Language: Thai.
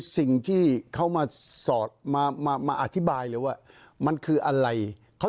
สิ่งที่เขามาสอดมามาอธิบายเลยว่ามันคืออะไรเขา